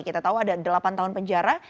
kita tahu ada delapan tahun penjara